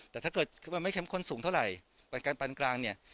แต่ถ้าเกิดคือมันไม่เข้มข้นสูงเท่าไหร่การปันกลางเนี่ย